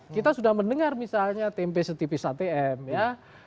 kita sudah mendengar misalnya tempe setipis atm ya